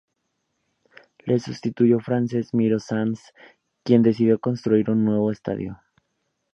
Le sustituyó Francesc Miró-Sans, quien decidió construir un nuevo estadio.